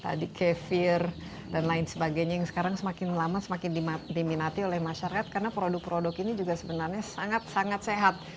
tadi kefir dan lain sebagainya yang sekarang semakin lama semakin diminati oleh masyarakat karena produk produk ini juga sebenarnya sangat sangat sehat